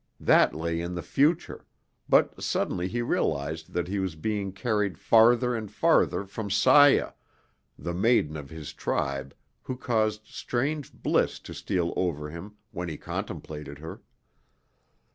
That lay in the future, but suddenly he realized that he was being carried farther and farther from Saya, the maiden of his tribe who caused strange bliss to steal over him when he contemplated her.